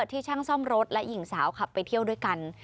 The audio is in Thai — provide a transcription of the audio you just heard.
ที่ช่างซ่อมรถและหญิงสาวขับไปเที่ยวด้วยกัน